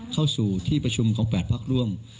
เข้าสู่ที่ประชุมของ๘พักร่วม